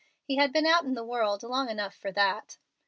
He had been out in the world long enough for that.